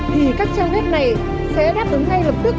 thì các trang web này sẽ đáp ứng ngay lập tức